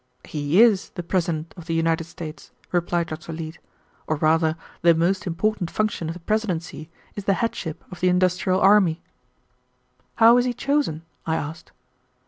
"He is the President of the United States," replied Dr. Leete, "or rather the most important function of the presidency is the headship of the industrial army." "How is he chosen?" I asked.